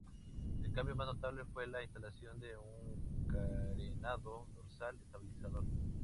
El cambio más notable fue la instalación de un carenado dorsal estabilizador.